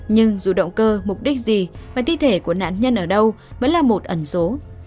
nhưng dù động cơ mục đích gì và thi thể của nạn nhân ở đâu vẫn là một ẩn số